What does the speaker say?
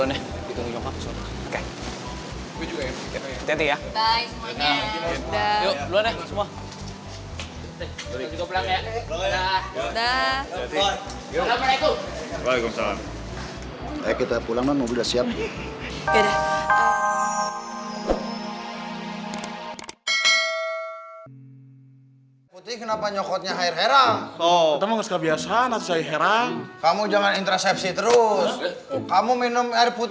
eh kita pulang mobil udah siap